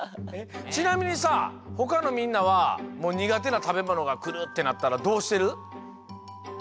ちなみにさほかのみんなはにがてなたべものがくるってなったらどうしてる？